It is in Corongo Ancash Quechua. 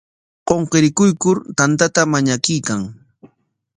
Qunqurikuykur tantata mañakuykan.